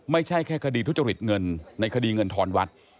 ไม่ใช่แค่คดีทุจริตเงินในคดีเงินทอนวัด